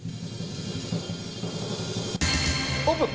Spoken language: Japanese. オープン。